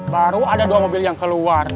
baru ada dua mobil yang keluar